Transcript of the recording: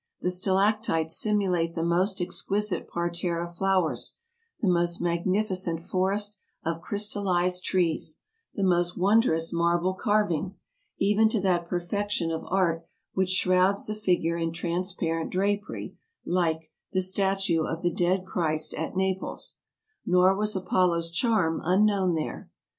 The stalac tites simulate the most exquisite parterre of flowers, the most magnificent forest of crystallized trees, the most wondrous marble carving, even to that perfection of art which shrouds the figure in transparent drapery, like '' the statue of the Dead Christ " at Naples; nor was Apollo's charm unknown there.